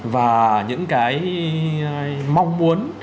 và những cái mong muốn